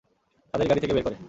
তাদের গাড়ি থেকে বের করে।